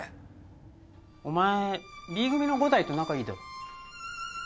お前 Ｂ 組の伍代と仲いいだろ